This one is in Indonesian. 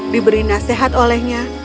diberi nasihat olehnya